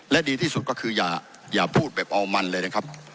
และดีที่สุดก็คืออย่าพูดแบบเอามันเลยนะครับ